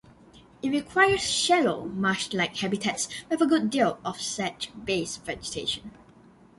It requires shallow marsh-like habitats with a good deal of sedge-based vegetation.